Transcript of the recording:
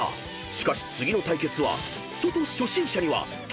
しかし次の対決は］